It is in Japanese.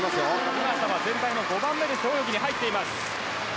小方は全体の５番目で背泳ぎに入っています。